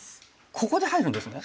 ここで入るんですね。